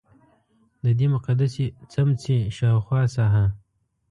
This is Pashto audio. ددې مقدسې څمڅې شاوخوا ساحه.